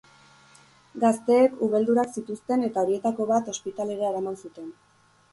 Gazteek ubeldurak zituzten eta horietako bat ospitalera eraman zuten.